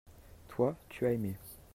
toi, tu as aimé.